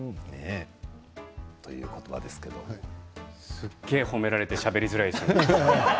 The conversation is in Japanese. すっげえ褒められてしゃべりづらいですけど。